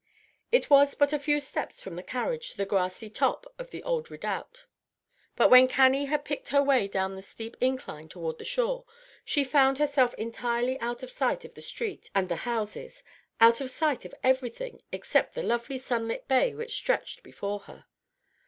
It was but a few steps from the carriage to the grassy top of the old redoubt; but when Cannie had picked her way down the steep incline toward the shore, she found herself entirely out of sight of the street and the houses, out of sight of everything except the lovely sunlit Bay which stretched before her.